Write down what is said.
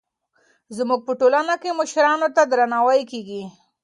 زموږ په ټولنه کې مشرانو ته درناوی کېږي.